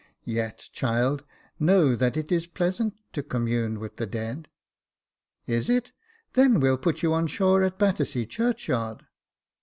Yet, child, know that it is pleasant to commune with the dead." " Is it ? then we'll put you on shore at Battersea churchyard."